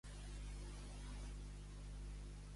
Quines ciutats s'han d'aliar, segons Maragall?